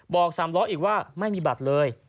บอกสามล้ออีกว่าไม่มีบัตรเลย